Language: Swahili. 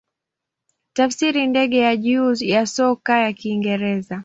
Tafsiri ndege ya juu ya soka ya Kiingereza.